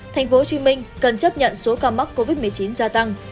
tp hcm cần chấp nhận số ca mắc covid một mươi chín gia tăng